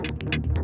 aku menengang dia